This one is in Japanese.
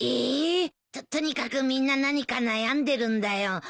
えっ！ととにかくみんな何か悩んでるんだよ。